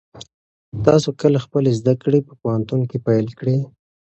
تاسو کله خپلې زده کړې په پوهنتون کې پیل کړې؟